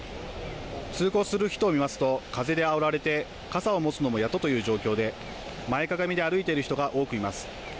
通行する人を見ますと風であおられて傘を持つのもやっとという状況で、前かがみで歩いている人が多くいます。